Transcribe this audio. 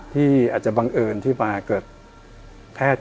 ที่อาจจะบังเอิญที่มาเกิดแพทย์